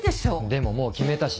でももう決めたし。